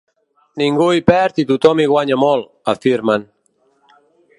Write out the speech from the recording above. Ningú hi perd i tothom hi guanya molt, afirmen.